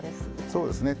そうですね。